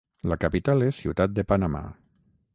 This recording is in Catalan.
La capital és Ciutat de Panamà.